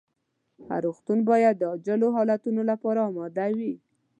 هر روغتون باید د عاجلو حالتونو لپاره اماده وي.